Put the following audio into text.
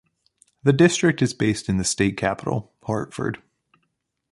The district is based in the state capital, Hartford.